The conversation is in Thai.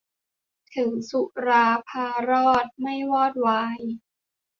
ถึงสุรา พารอด ไม่วอดวาย